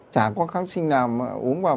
chả có kháng sinh nào mà uống vào